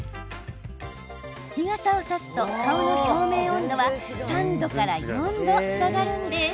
日傘を差すと顔の表面温度は３度から４度下がるんです。